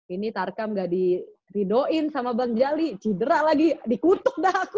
ini tarcam ga diridoin sama bang jali cidera lagi dikutuk dah aku